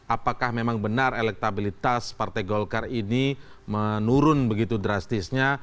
apakah memang benar elektabilitas partai golkar ini menurun begitu drastisnya